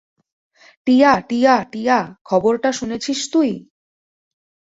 টিয়া, টিয়া, টিয়া, খবরটা শুনেছিস তুই?